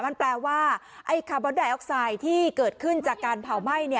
มันแปลว่าไอ้คาร์บอนไดออกไซด์ที่เกิดขึ้นจากการเผาไหม้